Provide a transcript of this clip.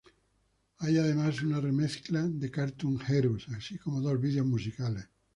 Hay, además, una remezcla de Cartoon Heroes, así como dos vídeos musicales.